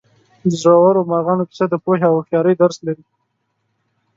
د زړورو مارغانو کیسه د پوهې او هوښیارۍ درس لري.